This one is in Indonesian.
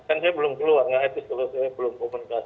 kan saya belum keluar nggak etis kalau saya belum komunikasi